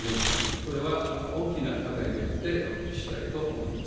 これは大きな課題であって、お聞きしたいと思います。